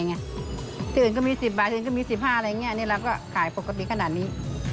ที่อื่นก็มี๑๐บาทที่อื่นก็มี๑๕บาทอะไรอย่างนี้